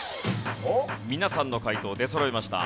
皆さんの解答出そろいました。